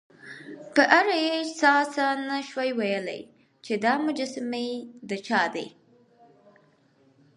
په اړه یې چا څه نه شوای ویلای، چې دا مجسمې د چا دي.